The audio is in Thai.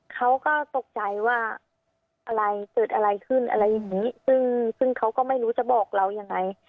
เขาก็ตกใจว่าอะไรเกิดอะไรขึ้นอะไรอย่างนี้ซึ่งซึ่งเขาก็ไม่รู้จะบอกเรายังไง